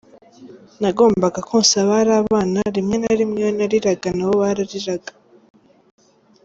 Nagombaga konsa abari abana, rimwe na rimwe iyo nariraga nabo barariraga.